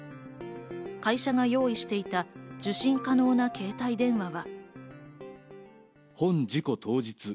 会社が用意していた受信可能な携帯電話は。